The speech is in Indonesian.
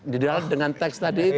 diralat dengan teks tadi itu